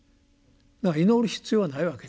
だから祈る必要はないわけです。